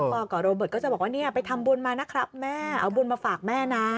กับโรเบิร์ตก็จะบอกว่าเนี่ยไปทำบุญมานะครับแม่เอาบุญมาฝากแม่นะ